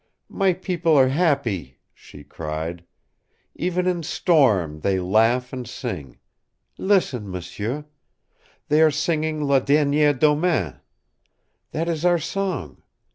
"My people are happy," she cried. "Even in storm they laugh and sing. Listen, m'sieu. They are singing La Derniere Domaine. That is our song.